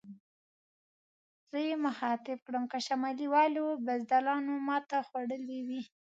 زه یې مخاطب کړم: که شمالي والو بزدلانو ماته خوړلې وي.